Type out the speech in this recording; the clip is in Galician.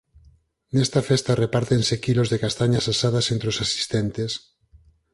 Nesta festa repártense quilos de castañas asadas entre os asistentes.